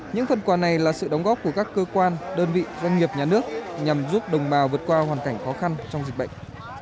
những phần quà này là sự đóng góp của các cơ quan đơn vị doanh nghiệp nhà nước nhằm giúp đồng bào vượt qua hoàn cảnh khó khăn trong dịch bệnh